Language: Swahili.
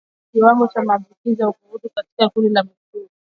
Kiwango cha maambukizi ya ukurutu katika kundi la mifugo